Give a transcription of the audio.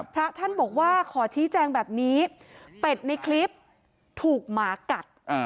พระท่านบอกว่าขอชี้แจงแบบนี้เป็ดในคลิปถูกหมากัด